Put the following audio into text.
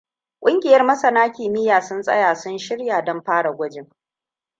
Kungiyar masana kimiyya sun tsaya, sun shirya don fara gwajin.